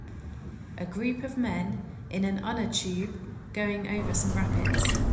A group of men in an unner tube going over some rapids